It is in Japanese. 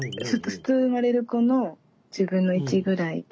普通生まれる子の１０分の１ぐらいで。